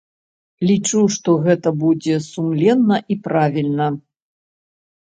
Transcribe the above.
Лічу, што гэта будзе сумленна і правільна.